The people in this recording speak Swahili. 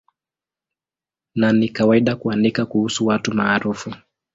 Na ni kawaida kuandika kuhusu watu maarufu.